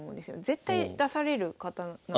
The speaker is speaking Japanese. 絶対出される方なので。